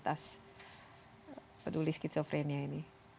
dari komunitas peduli skizofrenia ini